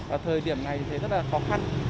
ở thời điểm này thì rất là khó khăn